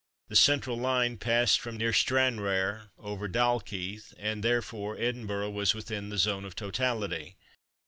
The central line passed from near Stranraer, over Dalkeith, and therefore Edinburgh was within the zone of totality.